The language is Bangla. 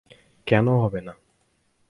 কেন হবে না?